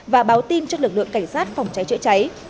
và báo tin cho lực lượng cảnh sát phòng cháy chữa cháy